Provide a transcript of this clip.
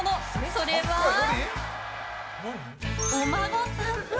それは。お孫さん！